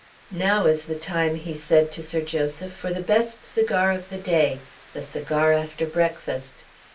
"Now is the time," he said to Sir Joseph, "for the best cigar of the day the cigar after breakfast.